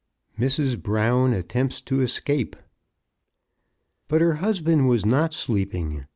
MRS. BROWN ATTEMPTS TO ESCAPE. But her husband was not sleeping.